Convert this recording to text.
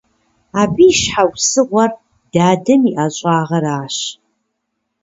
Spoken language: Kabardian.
Абы и щхьэусыгъуэр дадэм и ӀэщӀагъэращ.